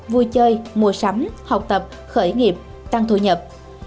vui chơi mua sắm học tập khởi nghiệp tăng thu nhập